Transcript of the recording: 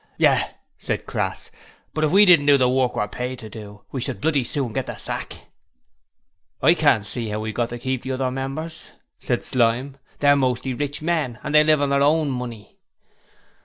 'Yes,' said Crass; 'but if we didn't do the work we're paid to do, we should bloody soon get the sack.' 'I can't see how we've got to keep the other members,' said Slyme; 'they're mostly rich men, and they live on their own money.'